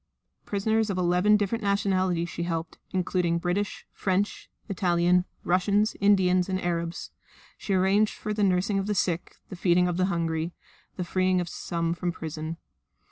Prisoners of eleven different nationalities she helped including British, French, Italian, Russian, Indians and Arabs. She arranged for the nursing of the sick, the feeding of the hungry, the freeing of some from prison.